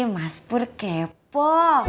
mas pur kepo